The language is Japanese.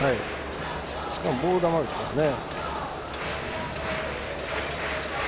しかもボール球ですからね。